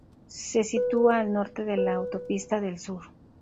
Se sitúa al norte de la Autopista del Sur.